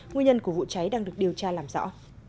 nguyên nhân của vụ cháy đang được điều tra làm rõ